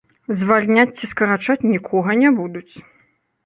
Звальняць ці скарачаць нікога не будуць.